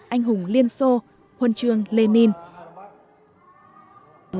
anh hùng liên xô hôn trương lê ninh